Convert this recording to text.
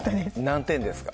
何点ですか？